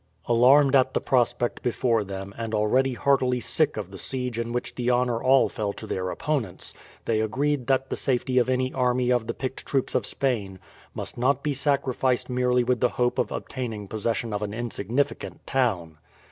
Alarmed at the prospect before them, and already heartily sick of the siege in which the honour all fell to their opponents, they agreed that the safety of any army of the picked troops of Spain must not be sacrificed merely with the hope of obtaining possession of an insignificant town.